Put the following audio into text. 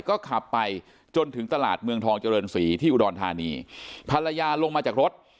ก็ขับไปจนถึงตลาดเมืองทองเจริญศรีที่อุดรธานีภรรยาลงมาจากรถ